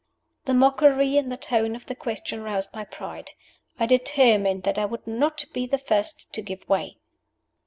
The mockery in the tone of the question roused my pride. I determined that I would not be the first to give way.